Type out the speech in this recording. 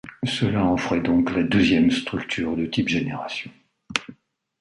Cela en ferait donc la deuxième structure de type génération.